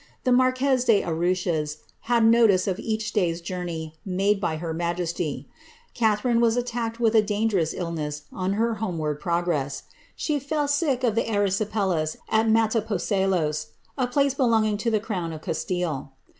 The marquez de rouches had notice of each day's journey made by her majesty. tharine was atuicked with a dangerous illness on her homeward pro ssa ; she fell sick of the erj'sipelas at Mataposaelos, a place belonging the crown of Castile.